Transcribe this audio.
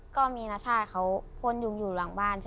ก็มีนชาติเขาพ่นยุงอยู่หลังบ้าน